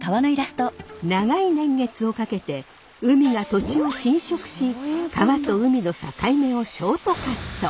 長い年月をかけて海が土地を侵食し川と海の境目をショートカット。